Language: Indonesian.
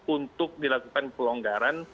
untuk dilakukan pelonggaran